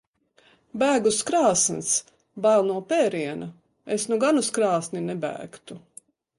Bēg uz krāsns. Bail no pēriena. Es nu gan uz krāsni nebēgtu.